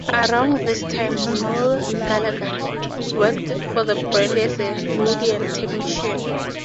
Around this time Noel Gallagher worked for the band as a roadie and technician.